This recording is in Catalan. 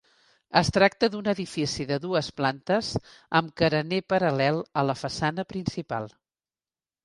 Es tracta d'un edifici de dues plantes amb carener paral·lel a la façana principal.